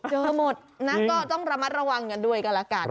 เจอหมดก็ต้องระมัดระวังกันด้วยก็ละกัน